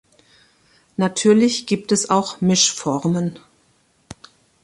Natürlich gibt es auch Mischformen.